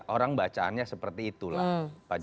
orang bacaannya seperti itulah